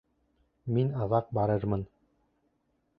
Мин аҙаҡ барырмын.